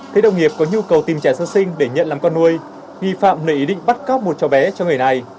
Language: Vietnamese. thấy đồng nghiệp có nhu cầu tìm trẻ sơ sinh để nhận làm con nuôi nghi phạm lại ý định bắt cóc một chó bé cho người này